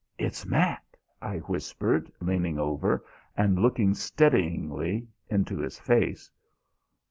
"It's Mac," I whispered, leaning over and looking steadyingly into his face.